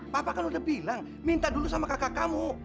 papa kan udah bilang minta dulu sama kakak kamu